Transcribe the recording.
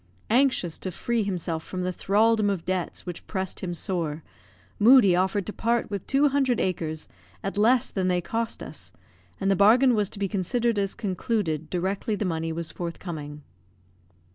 Anxious to free himself from the thraldom of debts which pressed him sore, Moodie offered to part with two hundred acres at less than they cost us, and the bargain was to be considered as concluded directly the money was forthcoming.